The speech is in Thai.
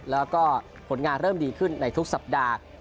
แล้วก็ผลงานเริ่มดีขึ้นในทุกสัปดาห์